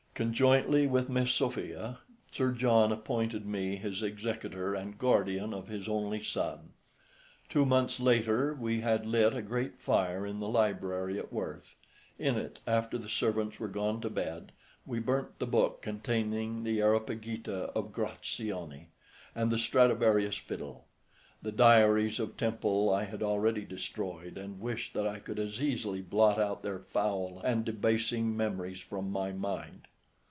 Conjointly with Miss Sophia, Sir John appointed me his executor and guardian of his only son. Two months later we had lit a great fire in the library at Worth. In it, after the servants were gone to bed, we burnt the book containing the "Areopagita" of Graziani, and the Stradivarius fiddle. The diaries of Temple I had already destroyed, and wish that I could as easily blot out their foul and debasing memories from my mind.